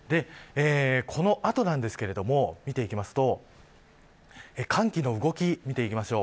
この後なんですけど見ていきますと寒気の動きを見ていきましょう。